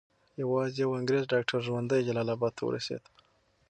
یوازې یو انګریز ډاکټر ژوندی جلال اباد ته ورسېد.